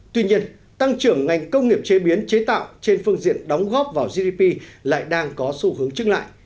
tuy nhiên tăng trưởng ngành công nghiệp chế biến chế tạo trên phương diện đóng góp vào gdp lại đang có xu hướng chứng lại